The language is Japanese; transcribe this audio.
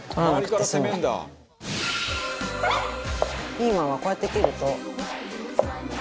ピーマンはこうやって切ると。